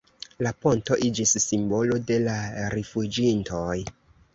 La ponto iĝis simbolo de la rifuĝintoj.